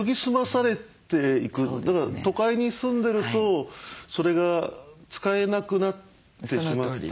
だから都会に住んでるとそれが使えなくなってしまった。